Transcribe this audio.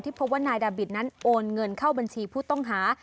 พบว่านายดาบิตนั้นโอนเงินเข้าบัญชีผู้ต้องหา